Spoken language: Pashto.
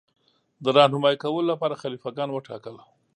د رهنمايي کولو لپاره خلیفه ګان وټاکل.